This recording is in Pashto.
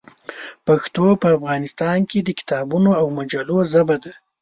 پښتو په افغانستان کې د کتابونو او مجلو ژبه ده.